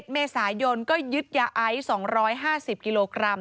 ๑เมษายนก็ยึดยาไอซ์๒๕๐กิโลกรัม